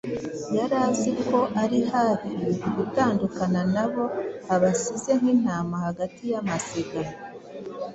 Yari azi ko ari hafi gutandukana nabo, abasize nk’intama hagati y’amasega.